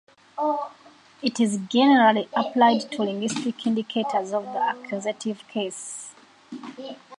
It is generally applied to linguistic indicators of the accusative case.